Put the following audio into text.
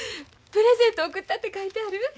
プレゼント送ったって書いてある。